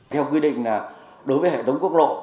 theo quy định là đối với hệ thống quốc lộ